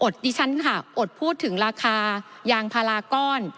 ดิฉันค่ะอดพูดถึงราคายางพาราก้อน